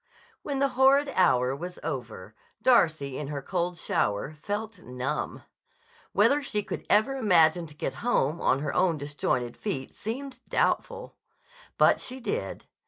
When the horrid hour was over, Darcy in her cold shower felt numb. Whether she could ever manage to get home on her own disjointed feet seemed doubtful. But she did.